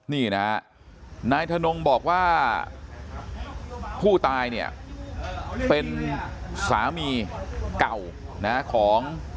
นี่นะฮะนายทนงบอกว่าผู้ตายเนี่ยเป็นสามีเก่านะของ